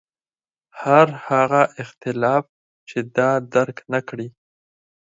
هر هغه اختلاف چې دا درک نکړي.